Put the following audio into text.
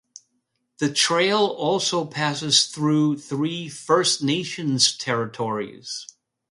The trail also passes through three First Nations territories.